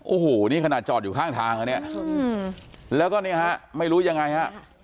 โอ้โหนี่ขนาดจอดอยู่ข้างทางนะเนี่ยแล้วก็เนี่ยฮะไม่รู้ยังไงฮะ